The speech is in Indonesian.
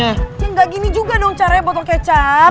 ya ga gini juga dong caranya botol kecap